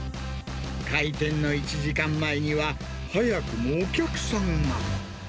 開店の１時間前には、早くもお客さんが。